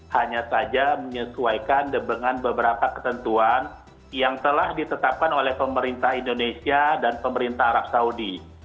hanya saja menyesuaikan debengan beberapa ketentuan yang telah ditetapkan oleh pemerintah indonesia dan pemerintah arab saudi